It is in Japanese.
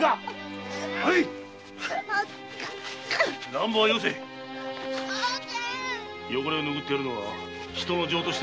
乱暴はよせ汚れを拭ってやるのは人の情として当たり前。